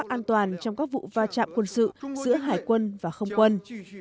an toàn trong các vụ va chạm quân sự giữa hải quân và không quân